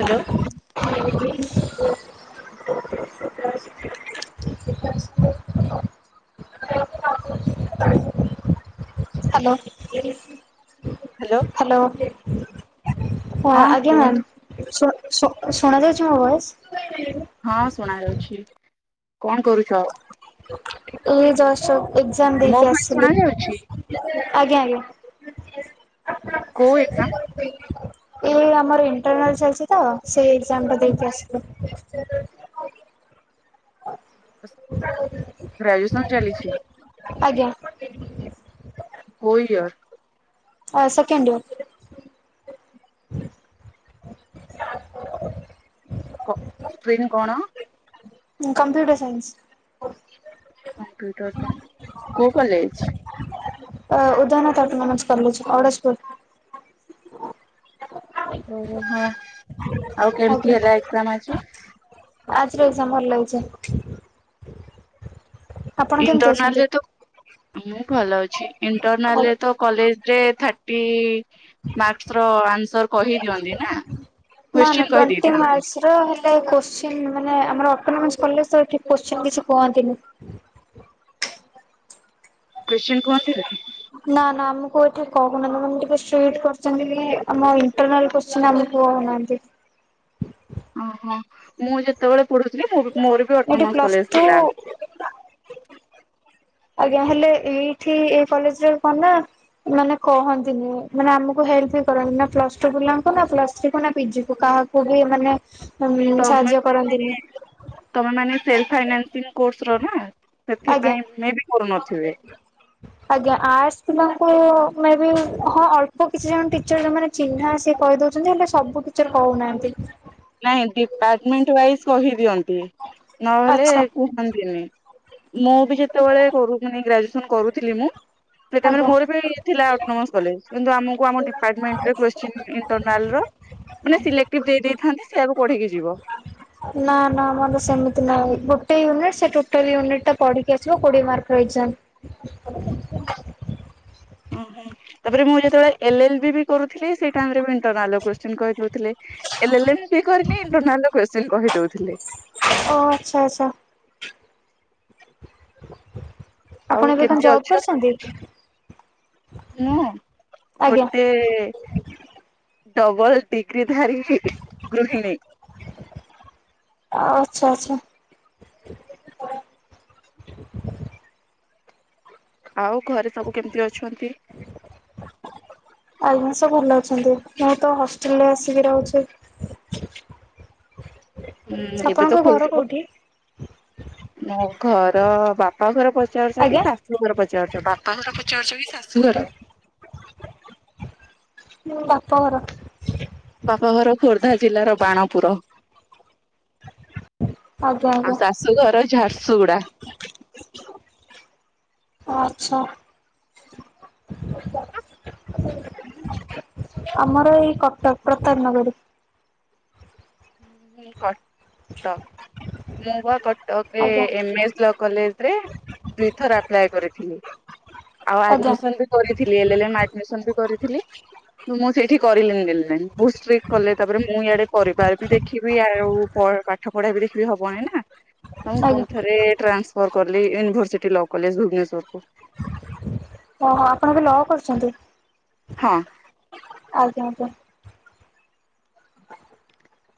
Hello. Hello. Hello. Hello ହଁ ଆଜ୍ଞା ma'am ଶଣ ଶୁଣ ଶୁଣାଯାଅଛି ମୋ ଭଏଜ ହଁ ଶୁଣା ଯାଉଛି କଣ କରୁଛ? ଏ ଯଷ୍ଟ ଏକ୍ଜାମ ମୋ ଦେଇକି ଭଏସ ଆସିଲି। ଶୁଣା ଯାଉଛି ଆଜ୍ଞା ଆଜ୍ଞା। କୋଉ ଏକ୍ଜାମ ଏଇ ଆମର ଇଣ୍ଟରନାଲ ଚାଲିଛି ତ ସେଇ ଏକ୍ଜାମ ଟା ଦେଇକି ଆସିଲୁ। [unintelligible] ଗ୍ରାଜୁଏସନ ଚାଲିଛି। ଆଜ୍ଞା। କୋଉ ଇୟର? ଆ ସେକେଣ୍ଡ ଇୟର। କ ଷ୍ଟ୍ରିମ୍ କଣ? Computer science. କମ୍ପୁଟର ଟା କଉ କଲେଜ? ଅ ଉଦାରଣତ ଅଟୋନମସ କଲେଜ୍ ଆଡଶପୁର ଓହୋ ହଁ ଆଉ କେମିତି ହେଲା ଏକଜାମ ଆଜି? ଆଜି ଏକଜାମ ଭଲ ହେଇଚି। ଆପଣ କେମିତି ଅଛନ୍ତି? ଇଣ୍ଟରନାଲରେ ତ ମୁଁ ଭଲ ଅଛି। ଇଣ୍ଟରନାଲରେ ତ କଲେଜରେ ଥାର୍ଟି ମାର୍କସ ର ଆନ୍ସର କହି ଦିଅନ୍ତି ନା। ନା ନା କୋଶ୍ଚିନ୍ କହି ଟ୍ୱଣ୍ଟି ଦେଇଥାନ୍ତି ମାର୍କଶ୍। ହେଲେ କୋଶ୍ଚିନ୍ ମାନେ ଆମର ଅଟୋନୋମସ କଲେଜ ତ ଏଠୀ କୋଶ୍ଚିନ୍ କିଛି କୁହନ୍ତିନି। କୋଶ୍ଚିନ କୁହନ୍ତିନି? ନା ନା ଆମକୁ ଏଠି କହୁନାନ୍ତି ଟିକେ ଷ୍ଟ୍ରିଟ କରିଛନ୍ତି କି ଆମ ଇଣ୍ଟରନାଲ କୋଶ୍ଚିନ ଆମକୁ କହୁନାହାନ୍ତି। ଓହୋ ମୁଁ ଯେତେବେଳେ ପଢୁଥିଲି, ମୁ ମୋର ବି ଏଇଠି ଅଟୋନମସ ପ୍ଲସ୍ କଲେଜ ଟୁ ଥିଲା। ଆଜ୍ଞା ହେଲେ ଏଇଠି ଏଇ କଲେଜ ରେ କଣ ନା। ମାନେ କହନ୍ତିନି ମାନେ ଆମକୁ ହେଲ୍ପ ବି କରନ୍ତିନି ନା ପ୍ଲସ ଟୁ ପିଲାଙ୍କୁ ନା ପ୍ଲସ ଥ୍ରୀ କୁ ନା ପିଜିକୁ କାହାକୁ ପୁଲି ମାନେ ଉ ତମେ ସାହାଯ୍ୟ କରନ୍ତିନି। ତମେ ମାନେ ସେଲ୍ଫ ଫାଇନସିଂ କୋସ ର ନା ଆଜ୍ଞା। ସେଥିପାଇଁ ମେ ବି କରୁନଥିବେ। ଆଜ୍ଞା ଆର୍ଟସ୍ ପିଲାଙ୍କୁ ମେ ବି ହଁ ଅଳ୍ପ କିଛି ଜଣ ଟିଚର ମାନେ ଚିହ୍ନା ସିଏ କହି ଦଉଛନ୍ତି ହେଲେ ସବୁ ଟିଚର କହୁନାହାନ୍ତି। ନାଇଁ ଡିପାର୍ଟମେଣ୍ଟ ୱାଇଜ କହିଦିଅନ୍ତି, ନହେଲେ ଆଚ୍ଛା କୁହନ୍ତିନି। ମୁଁ ବି ଯେତେବେଳେ କରୁଥିନି ମାନେ ଗ୍ରାଜୁଏସନ କରୁଥିଲି ମୁଁ ସେତେବେଳେ ଆଜ୍ଞା। ମୋର ବି ଥିଲା ଅଟୋନୋମସ କଲେଜ କିନ୍ତୁ ଆମକୁ ଆମ ଡିପାର୍ଟମେଣ୍ଟରେ କୋଶ୍ଚିନ୍ ଇଣ୍ଟରନାଲ ର ମାନେ ସିଲେକ୍ଟିଭ ଦେଇ ଦେଇଥାନ୍ତେ। ସେୟକୁ ପଢିକି। ଯିବ। ନା ନା ଆମର ତ ସେମିତି ନାହିଁ ଗୋଟେ ୟୁନିଟ ସେ ଟୋଟାଲ ୟୁନିଟ୍ ଟା ପଢିକି ଆସିବ କୋଡିଏ ମାର୍କ ଏକ୍ସାମ। ଓୋହଁ ତାପରେ ମୁଁ ଯେତେବେଳେ ଏଲ୍ ଏଲ ବି ବି କରୁଥିଲି ସେଇ ଟାଇମ୍ ରେ ବ ଇଣ୍ଟରନାଲ କୋଶ୍ଚିନ କହିଦେଉଥିଲେ। ଏଲ ଏଲ ଏମ୍ ବି କରିଲି ଇଣ୍ଟରନାଲ ର କୋଶ୍ଚିନ୍ କହିଦଉଥିଲେ। ଓ ହୋ ଆଚ୍ଛା ଆଚ୍ଛା। ଆଉ ଆପଣ ଏବେ କଣ କେମିତି ଜବ୍ ଅଛ? କରିଛନ୍ତି? ମୁଁ ଆଜ୍ଞା ଗୋଟେ ଡବଲ ଡିଗ୍ରୀ ଧାରି ଗୃହିଣୀ। ଆଃ ଆଚ୍ଛା ଆଚ୍ଛା। ଆଉ ଘରେ ସବୁ କେମିତି ଅଛନ୍ତି? ଆଜ୍ଞା ସବୁ ଭଲ ଅଛନ୍ତି। ମୁଁ ତ ହଷ୍ଟେଲରେ ଆସିକି ରହୁଛି। ହୁଁ ଏବେ ଆପଣଙ୍କ ତ ଘର ଖୋଲିଥିବ। କୋଉଠି? ମୋ ଘର ବାପାଘର ପଚାରୁଛ ଆଜ୍ଞା କି ଶାଶ୍ ଶୁଘର ପଚାରୁଛ? ବାପାଘର ପଚାରୁଛ କି ଶାଶୁଘର? ଉଁ ବାପଘର। ବାପଘର ଖୋର୍ଦ୍ଧା ଜିଲ୍ଲାର ବାଣପୁର। ଆଜ୍ଞା ଆଜ୍ଞା। ଆମ ଶାଶୁଘର ଝାରସୁଗୁଡା। ଓ ଆଚ୍ଛା। ତମର? ଆମର ଏଇ କଟକ ପ୍ରତାପନଗରୀ। ହୁଁ ଉଁ କଟକ। ମୁଁ ବା କଟକରେ ଆଜ୍ଞା। ଏମ୍ ଏସ୍ ଲ କଲେଜ ରେ ଦୁଇ ଥର ଆପ୍ଲାଏ କରିଥିଲି। ଆଉ ଆଜ୍ଞା ଆଡମିସନ୍ ବି କରିଥିଲି ଏଲ୍ ଏଲ୍ ଏମ୍ ଆଡମିସନ ବି କରିଥିଲି। [unintelligible] ମୁଁ ସେଇଠି କରିଲିନି ଏଲ୍ ଏଲ୍ ଏମ୍। ବହୁତ ଷ୍ଟ୍ରିକ୍ଟ୍ କଲେ। ତାପରେ ମୁଁ ଇଆଡେ ପରିବାର ବି ଦେଖିବି ଆଉ ପ ପା ଠପଢା ବି ଦେଖିବି ହବନି ନା। ତ ମୁଁ ଆଜ୍ଞା ପୁଣିଥରେ ଟ୍ରାନ୍ସ ଫର୍ କଲି ୟୁନିଭର୍ସିଟି ଲ କଲେଜ ଭୁବନେଶ୍ୱରକୁ। ଓହୋ ଆପଣ ଏବେ ଲ କରୁଛନ୍ତି? ହଁ। ଆଜ୍ଞା ଆଜ୍ଞା।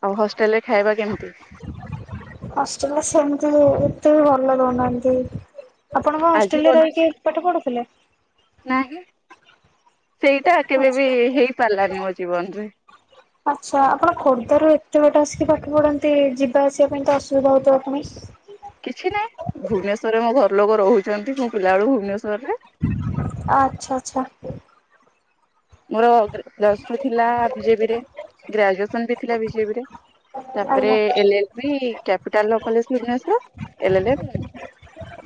ଆଉ ହଷ୍ଟେଲରେ ଖାଇବା କେମିତି? ହଷ୍ଟେଲରେ ସେମିତି। ଏ-ଏତେ ବି ଭଲ ଦଉନାହାଁନ୍ତି। ଆପଣ କଣ ଆଜି ହଷ୍ଟେଲରେ କରିଦେଇଛୁ ରହିକି ପାଠ ପଢୁଥିଲେ? ନାହିଁ ସେଇଟା କେବେ ବି ଆଛା ହେଇପାରିଲାନି ମୋ ଜୀବନରେ। ଆଚ୍ଛା ଆପଣ ଖୋର୍ଦ୍ଧାରୁ ଏତେ ବାଟ ଆସିକି ପାଠ ପଢନ୍ତି ଯିବା ଆସିବା ପାଇଁ ତ ଅସୁବିଧା ହଉଥିବ ପୁଣି? କିଛି ନାହିଁ। ଭୁବନେଶ୍ଵରରେ ମୋ ଘରଲୋକ ରହୁଛନ୍ତି। ମୁଁ ପିଲାବେଳୁ ଭୁବନେଶ୍ଵରରେ। ଆ ଆଚ୍ଛା ଆଚ୍ଛା। ମୋର ଗ୍ରା ପ୍ଲସ ଟୁରେ ଥିଲା ବିଜେବିରେ। ଗ୍ରାଜୁଏସନ ବି ଥିଲା ବିଜେବିରେ। ତାପରେ ଆଜ୍ଞା। L L B capital law college Bhubaneswar. L L M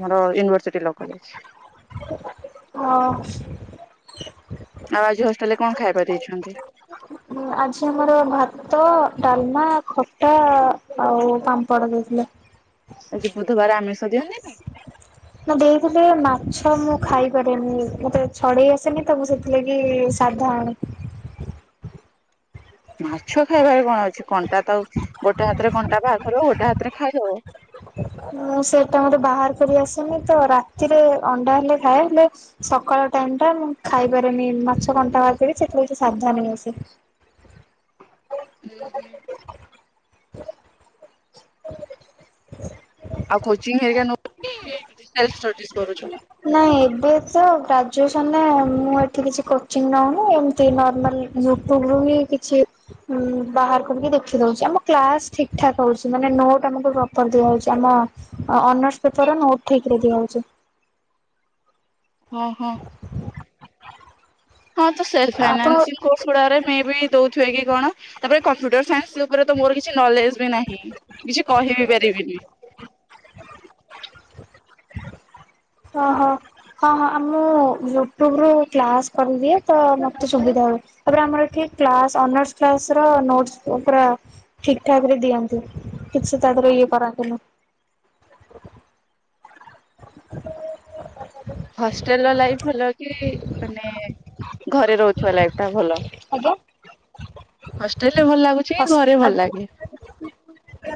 ଆମର ୟୁନିଭର୍ସିଟି ଲ କଲେଜ। ହଁ। ଆଉ ଆଜି ହଷ୍ଟେଲରେ କଣ ଖାଇବା ଦେଇଛନ୍ତି? [inaudible] ଆଜି ଆମର ଭାତ, ଡାଲମା, ଖଟା ଆଉ ପାମ୍ପଡ଼ ଦେଇଥିଲେ। ଆଜି ବୁଧବାର ଆମିଷ ଦିଅନ୍ତିନି? ହଁ ଦେଇଥିଲେ ମାଛ ମୁଁ ଖାଇପାରେନି ମତେ ଛଡେଇ ଆସେନି ତ ମୁଁ ସେଥ୍ ଥିଲାଗି ସାଧା ଆଣେ। ମାଛ ଖାଇବାରେ କଣ ଅଛି। କଣ୍ଟା ତଉ ଗୋଟେ ହାତେରେ କଣ୍ଟା ବାହାର କରିବ ଗୋଟେ ହାତେରେ ଖାଇଦବ। ମୁଁ ସେଇଟା ମତେ ବାହାର କରି ଆସେନି ତ। ରାତିରେ ଅଣ୍ଡା ହେଲେ ଖାଏ ହେଲେ ସକାଳ ଟାଇମଟା ମୁଁ ଖାଇପାରେନି ମାଛ କଣ୍ଟା ବାହାର କରି ସେଥିଲାଗି ସେ ସାଧା ନେଇଆସେ। ହୁଁ ହୁଁ। ଆଉ କୋଚିଙ୍ଗ ଘରିକା ନଉଚ କି ଏମିତି ସେଲଫ୍ ଷ୍ଟଡିସ୍ କରୁଛ? ନାଇଁ ଏବେ ତ ଗ୍ରାଜୁଏସନରେ ମୁଁ ଏଇଠି କିଛି କୋଚିଂ ନଉନି ଏମ୍ ତି ନର୍ମାଲ ୟୁଟୁବରୁ ହିଁ କିଛି ଉଁ ବାହାର କରିକି ଦେଖି ଦଉଛି। ଆମ କ୍ଲାସ ଠିକ୍ ଠାକ୍ ହଉଛି ମାନେ ନୋଟ୍ ଆମକୁ ପ୍ରପର ଦିଆହଉଛି। ଆମ ଅ-ଅନର୍ସ ପେପରର ନୋଟ୍ ଠିକରେ ଦିଆହଉଛି। ହଁ ହଁ ହଁ ତ ସେଲ୍ଫ ଆପଣ ଫାଇନାନ୍ସିଂ କୋର୍ସ ଗୁଡାରେ ମ ବି ଦଉଥେ କି କଣ ତାପରେ କମ୍ପ୍ୟୁଟର ସାଇନ୍ସ ସେ ଉପରେ ତ ମୋର କିଛି ନଲେଜ ବି ନାହିଁ, କିଛି କହିିବି ପାରିବିନି। ଓ ହୋ ହଁ ହଁ ଆ ମୁଁ ୟୁଟ୍ୟୁବ ରୁ କ୍ଲାସ କରିଦିଏ, ତ ମତେ ସୁବିଧା ହଉ। ତାପରେ ଆମର ଏଠି କ୍ସ ଅନର୍ସ କ୍ଲାସ ର ନୋଟ ପୁର ଠିକ୍ ଠାକ ରେ ଦିଅନ୍ତି, କିଛି ସେ ତା ଦେର ଇଏ କରାନ୍ତି ନି। [unintelligible] ହଷ୍ଟେଲ ର ଲାଇଫ୍ ଭଲ କି ମାନେ ଘରେ ରହୁଛଥିବା ଲାଇଫ ଟା ଭଲ। ଆଜ୍ଞା ହଷ୍ଟେଲ ରେ ଭଲ ଲାଗୁଛି, କି ହସ୍ ଘରେ ଭଲ ଲାଗେ? [unintelligible]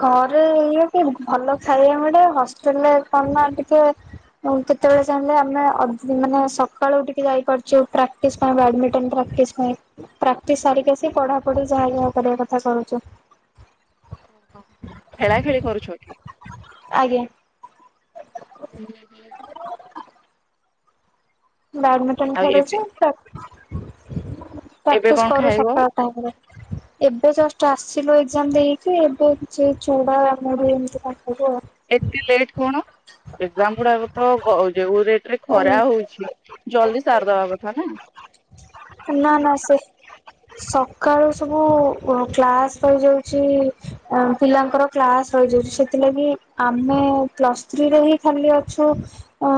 ଘରେ ଇଏ କି ଭଲ ଖାଇବା ମିଳେ, ହଷ୍ଟେଲରେ କ ଟିକେ କେତେବେଳେ ଚାହିଁଲେ ଆମେ ମାନେ ସକାଳୁଠିକେ ଯାଇପାରୁଛେ। ପ୍ରକ୍ଟି ପାଇଁ ବ୍ୟାଡ଼ମିଣ୍ଟନ ପ୍ରାକ୍ଟିସ ପାଇଁ। ପ୍ରାକ୍ଟିସ ସାରିକି ଆସି ପଢା ପଢି ଯାହା ଯାହା କରିବା କଥା କରୁଛୁ। ହ ଖେଳା ଖେଳି କରୁଛକି? ଆଜ୍ଞା। ହୁଁ ହଁ ହୁଁ ବ୍ୟାଡମିଣ୍ଟନ ଆଉ ଏବେ ଖେଳୁଛି। ଏବେ ପ୍ରାକ୍ଟିସ କଣ କରୁ ଖାଇବ ସକାଳ ଟାଇମରେ। ଏବେ ଜଷ୍ଟ ଆସିଲୁ ଏଜାମ ଦେଇକି, ଏବେ କିଛି ଚୁଡା ମୁଢ଼ି ଏମିତି କଣ ଖାଇବେ ଆଉ। ଏତେ ଲେଟ କଣ? ଏକ୍ସାମ ଗୁଡାକ ତ ଯଉରେ ଓ ଖରା ହଉଛି ଜଲଦି ସାରିଦବା କଥା ନା। ନା ନା ସେ ସକାଳୁ ସବୁ କ୍ଳାସ୍ ହୋଇଯାଉଛି ପିଲାଙ୍କର କ୍ଲାସ୍ ରହିଯାଉଛି, ସେଥିଲାଗି ଆମେ ପ୍ଲସ୍ ଥ୍ରୀରେ ହିଁ ଖାଲି ଅଛୁ ଅ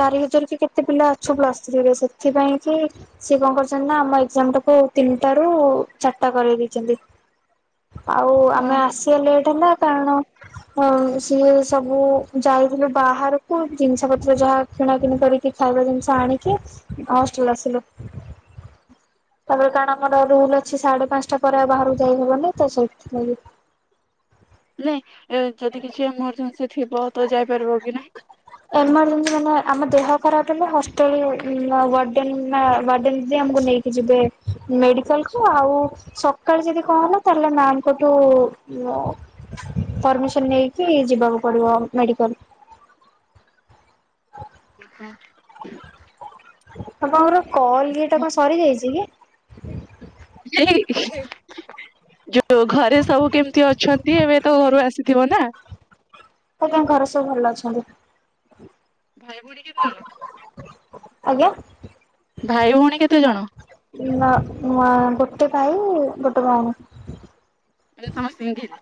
ଚାରି ହଜାର କି କେତେ ପିଲା ଅଛୁ ପ୍ଲସ୍ ଥ୍ରୀରେ, ସେଥିପାଇଁ କି ସେ କଣ କରୁଛନ୍ତି ନା, ଆମ ଏକ୍ସାମ୍ ଟାକୁ ତିନିଟା ରୁ ଚାରିଟା କରେଇ ଦେଇଛନ୍ତି। ଆଉ ଅ ଆମେ ଆସିବା ଲେଟ ହେଲା, କାରଣ ହ ସିଏ ସବୁ ଯାଇଥିଲେ ବାହାରକୁ ଜିନିଷ ପତ୍ର ଯାହା କିଣାକିଣି କରିକି ଖାଇବା ଜିନିଷ ଆଣିଚୁ ଲାଷ୍ଟ ରେ ଆସିଲୁ। ତାପରେ କାରଣ ଆମର ରୁଲ ଅଛି, ସାଢେ ପାଞ୍ଚଟା ପରେ ଆଉ ବାହାରାରୁ ଯାଇହବନି ତ ସେଇଥିଲାଗି। ନାଇଁ ଯଦି କିଛି ଏମର୍ଜେନ୍ସି ଥିବ ତ ଯାଇପାରିବ କି ନାହିଁ? ଏମାନେ ମାନେ ଆମ ଦେହ ଖରାପ ହେ ହଷ୍ଟେଲ ଆମକୁ ନେଇ କି ଯିବେ ମେଡ଼ିକାଲକୁ ଆଉ ସକାଳେୁ ଯଦି କହନ ତାହେଲେ ମ୍ୟାମଙ୍କଠୁ ପରମିସନ ନେଇକି ଯିବାକୁ ପଡିବ ମେଡିକାଲ। ଅ ହ ଆପଣଙ୍କର କଲ ଏଟା କଣ ସରି ଯାଇଛି କି? ଯୋଉ ଘରେ ସବୁ କେମିତି ଅଛନ୍ତି? ଦି ଏବେ ତ ଘରୁ ଆସିଥିବ ନା? ତାଙ୍କ ଘରେ ସବୁ ଭଲ ଅଛନ୍ତି। ଭାଇ ଭଉଣୀ କେତେ ଜଣ? ଆଜ୍ଞା। ଭାଇ ଭଉଣୀ କେତେ ଜଣ? ନା ନୂଆ ଗୋଟେ ଭାଇ, ଗୋଟେ ଭଉଣୀ। ମାନେ କଣ ସିଙ୍ଗଲ?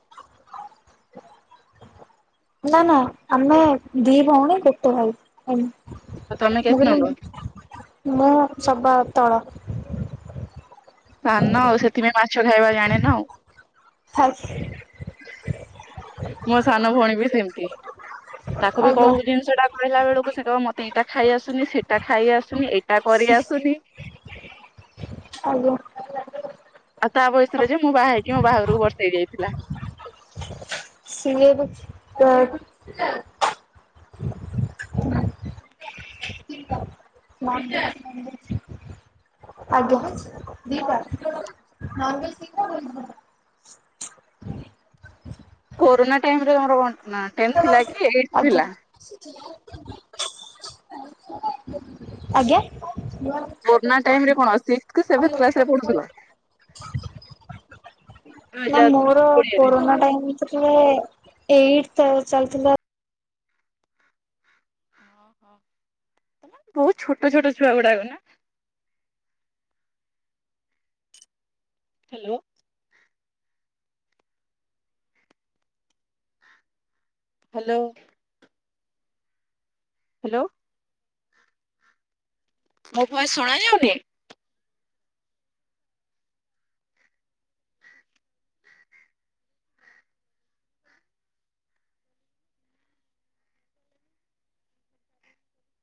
ନା ନା ଆମେ ଦି ଭଉଣୀ ଗୋଟେ ଭାଇ, ଏମ ତମେ ମୁଁ କେତେ କହିଲି ନମ୍ବର ମୁଁ ସବା ତଳ। ସାନ ଆଉ ସେଥିପାଇଁ ମାଛ ଖାଇବା ଜାଣିନ ଆଉ। [unintelligible] ମୋ ସାନ ଭଉଣୀ ବି ସେମିତି ତାକୁ ବି ଆଜ୍ଞା କୋଉ ଜିନିଷ ଟା ଖାଇଲା ବେଳକୁ ସେ କହେ ମତେ ଏଇଟା ଖାଇଆସୁନି ସେଇଟା ଖାଇ ଆସୁନି ଏଇଟା କରି ଆସୁନି ଆଜ୍ଞା। ଆଉ ତା ବୟସରେ ଯେ ମୁଁ ବାହା ହେଇକି ମୋ ବାହାଘରକୁ ବର୍ଷେ ଯାଇଥିଲା। ସିଏ ଏବେ [unintelligible] [unintelligible] ଆଜ୍ଞା। କୋରୋନା ଟାଇମର ତମର କଣ ଅଁ ଟେନ୍ଥ ଥିଲା କି ଏଇଟ୍ ଥିଲା? ଆଜ୍ଞା? କରୋନା ଟାଇମ ରେ କଣ ସିକ୍ସଥ କି ସେଭେନ୍ଥ କ୍ଲାସ ରେ ପଢ଼ୁଥିଲା? ଦୁଇ ନା ହଜାର ମୋର କୋଡିଏରେ? କୋରୋନା ଟାଇମ୍ ରେ ଏଇଟ୍ ତା ଚାଲିଥିଲା। ବହୁତ ଛୋଟ ଛୋଟ ଛୁଆ ଗୁଡାକ ନା। ହ୍ୟାଲୋ। ହ୍ୟାଲୋ। ହ୍ୟାଲୋ। ମୋ ଭଏସ ଶୁଣାଯାଉନି?